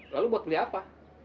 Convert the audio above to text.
lalu buat beli apa